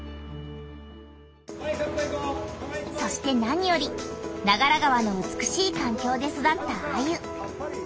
そしてなにより長良川の美しいかんきょうで育ったアユ。